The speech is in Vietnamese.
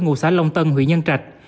ngụ xã long tân huyền nhân trạch